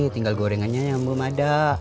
tinggal gorengannya yang belum ada